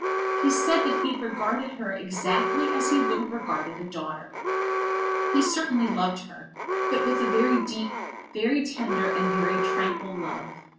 He said that he had regarded her exactly as he would have regarded a daughter. He certainly loved her, but with a very deep, very tender and very tranquil love.